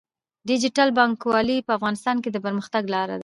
ډیجیټل بانکوالي په افغانستان کې د پرمختګ لاره ده.